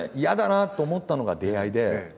嫌だなと思ったのが出会いで。